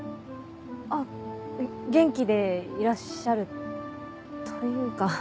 あっ元気でいらっしゃるというか。